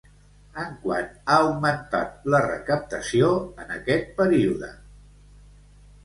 En quant ha augmentat la recaptació en aquest període?